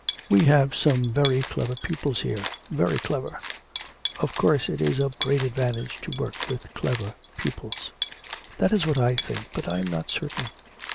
'We have some very clever pupils here very clever; of course it is of great advantage to work with clever pupils.' 'That is what I think, but I am not certain.'